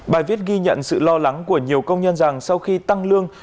bài viết ghi nhận sự lo lắng của nhiều công nhân rằng sau khi tăng lương